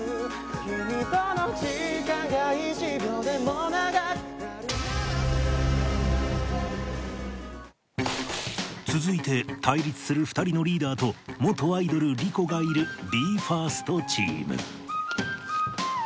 君との時間が一秒でも長くなるなら続いて対立する２人のリーダーと元アイドルリコがいる ＢＥ：ＦＩＲＳＴ チーム